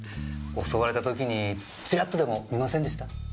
襲われた時にチラッとでも見ませんでした？